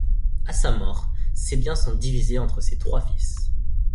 À sa mort, ses biens sont divisés entre ses trois fils.